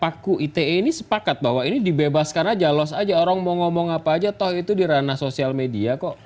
paku ite ini sepakat bahwa ini dibebaskan aja los aja orang mau ngomong apa aja toh itu di ranah sosial media kok